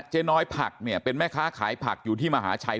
เจ๊น้อยผักเนี่ยเป็นแม่ค้าขายผักอยู่ที่มหาชัย